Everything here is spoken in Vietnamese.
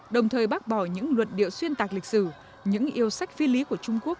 đồng thời bác bỏ những luận điệu xuyên tạc lịch sử những yêu sách phi lý của trung quốc